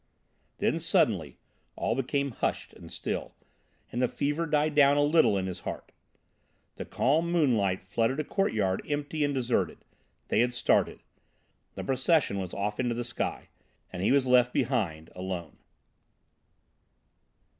Then, suddenly, all became hushed and still, and the fever died down a little in his heart. The calm moonlight flooded a courtyard empty and deserted. They had started. The procession was off into the sky. And he was left behind—alone.